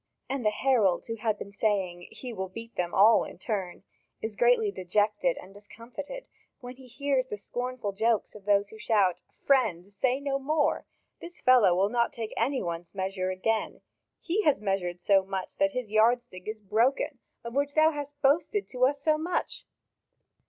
And the herald who had been saying: "He will beat them all in turn!" is greatly dejected and discomfited when he hears the scornful jokes of those who shout: "Friend, say no more! This fellow will not take any one's measure again. He has measured so much that his yardstick is broken, of which thou hast boasted to us so much."